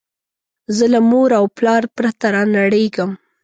زه له موره او پلاره پرته رانړېږم